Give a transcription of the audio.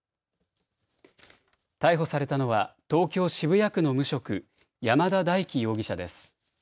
逮捕されたのは東京渋谷区の無職、山田大樹容疑者です。